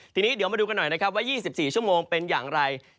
ทีนี้เดี๋ยวมาดูกันหน่อยนะครับว่า๒๔ชั่วโมงเป็นอย่างไร